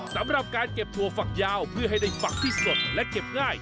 สำหรับการเก็บถั่วฝักยาวเพื่อให้ได้ฝักที่สดและเก็บง่าย